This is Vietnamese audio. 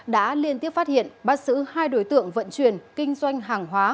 đã liên tiếp phát hiện bắt xử hai đối tượng vận chuyển kinh doanh hàng hóa